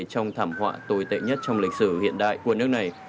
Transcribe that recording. trong thảm họa tồi tệ nhất trong lịch sử hiện đại của nước này